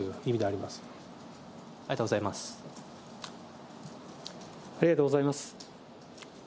ありがとうございます。